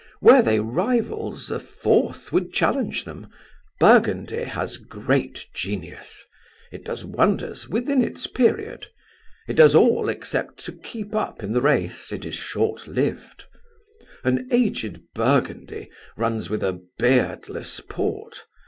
Were they rivals, a fourth would challenge them. Burgundy has great genius. It does wonders within its period; it does all except to keep up in the race; it is short lived. An aged Burgundy runs with a beardless Port.